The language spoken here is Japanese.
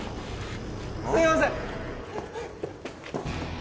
すみません！